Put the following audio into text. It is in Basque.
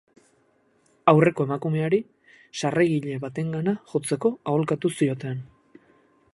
Aurreko emakumeari, sarrailagile batengana jotzeko aholkatu zioten.